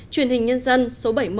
truyền hình nhân dân số bảy mươi một